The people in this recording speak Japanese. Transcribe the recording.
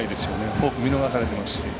フォーク、見逃されているし。